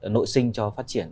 nội sinh cho phát triển